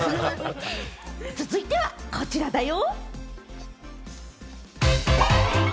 続いては、こちらだよ。